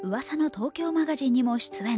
東京マガジン」にも出演。